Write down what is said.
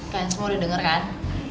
kan semua udah denger kan